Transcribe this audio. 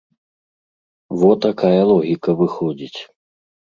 Во такая логіка выходзіць.